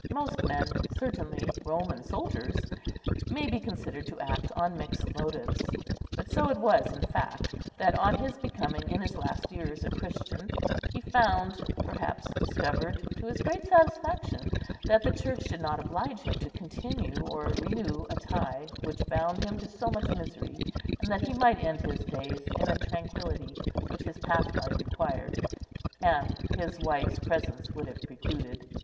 Most men, certainly Roman soldiers, may be considered to act on mixed motives; but so it was in fact, that, on his becoming in his last years a Christian, he found, perhaps discovered, to his great satisfaction, that the Church did not oblige him to continue or renew a tie which bound him to so much misery, and that he might end his days in a tranquillity which his past life required, and his wife's presence would have precluded.